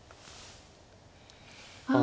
あ。